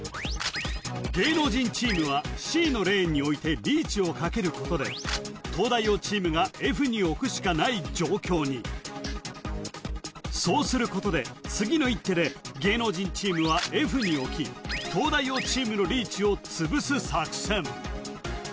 芸能人チームはＣのレーンに置いてリーチをかけることで東大王チームがＦに置くしかない状況にそうすることで次の一手で芸能人チームはＦに置き東大王チームのリーチを潰す作戦